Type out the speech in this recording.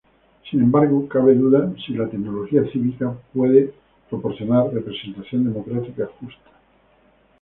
Sin embargo, cabe duda si la tecnología cívica puede proporcionar representación democrática justa.